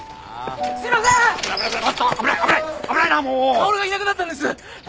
薫がいなくなったんです。